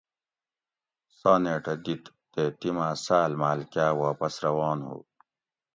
سانیٹہ دِت تے تِیماٞ ساٞل ماٞل کاٞ واپس روان ہُو